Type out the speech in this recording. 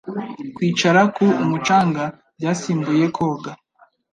Kwicara ku umucanga byasimbuye koga